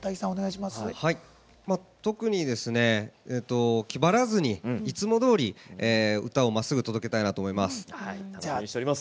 特に気張らずにいつもどおり、歌をまっすぐ届けたいなと思います。